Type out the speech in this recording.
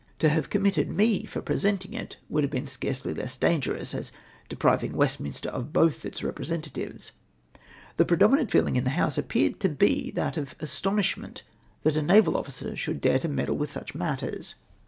To have committed me for pre senting it would have been scarcely less dangerous, as depriving Westminster of both its representatives. The predominant feehng in the House appeared to be that of astonishment that a naval officer should dare to meddle with such matters.